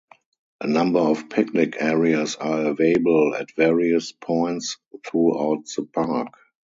A number of picnic areas are available at various points throughout the park.